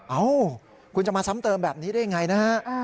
เอ้าคุณจะมาซ้ำเติมแบบนี้ได้ยังไงนะฮะ